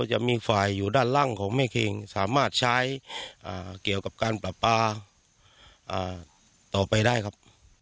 จะมีฝ่ายอยู่ด้านล่างของแม่คิงสามารถใช้เกี่ยวกับการปรับปลาต่อไปได้ครับ